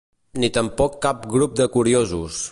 Ni tampoc cap grup de curiosos.